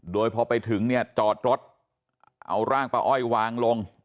โดยพอไปถึงเนี่ยจอดรถเอาร่างป้าอ้อยวางลง